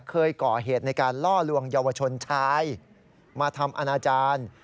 เคยก่อเหตุในการล่อลวงเยาวชนชายมาทำอนาจารย์